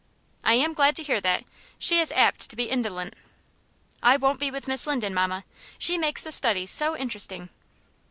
"I am glad to hear that. She is apt to be indolent." "I won't be with Miss Linden, mamma. She makes the studies so interesting."